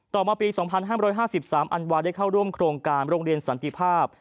ต่อมาปี๒๕๕๓อันวาได้เข้าร่วมโครงการโรงเรียนสันติภาพ